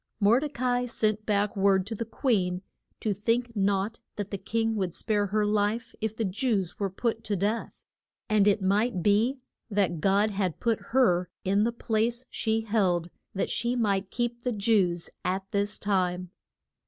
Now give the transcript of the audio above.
Mor de ca i sent back word to the queen to think not that the king would spare her life if the Jews were put to death. And it might be that God had put her in the place she held that she might keep the Jews at this time.